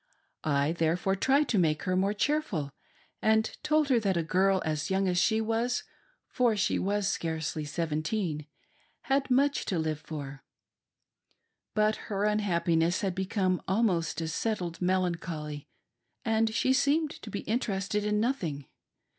I therefore tried to make her more cheerful, and told her that a girl as ybung as she was — for she was scarcely seventeen — .had much to live for. But her unhappiness had become almost a settled melancholy and she seemed to be interested in nothing.